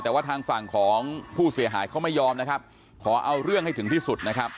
แต่ว่าทางฝั่งของผู้เสียหายเขาไม่ยอมนะครับขอเอาเรื่องให้ถึงที่สุดนะครับ